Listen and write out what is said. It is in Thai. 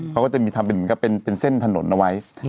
เขาก็จะมีทำลายเป็นเส้นถนนเอาไว้